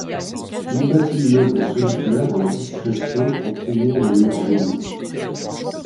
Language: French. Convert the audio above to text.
Il bâtit une œuvre en solitaire, dans la discrétion, entre humour et émerveillement.